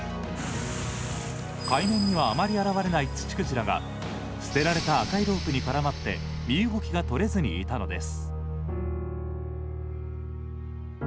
海面には、あまり現れないツチクジラが捨てられた赤いロープに絡まって身動きがとれずにいたのです。